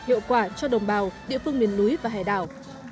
hiệu quả cho đồng bào địa phương miền núi và hải đảo